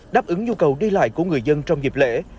đáp ứng nhu cầu đi lại của người dân trong dịp lễ